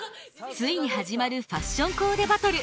ついに始まるファッションコーデバトル。